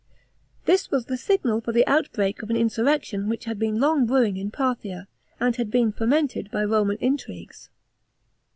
This was the signal for the outbreak of an insurrection which had been long brewing in Parthia, and had been fomented by Roman intrigues.